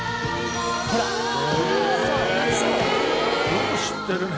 よく知ってるね。